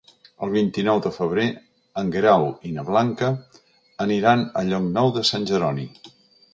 El vint-i-nou de febrer en Guerau i na Blanca aniran a Llocnou de Sant Jeroni.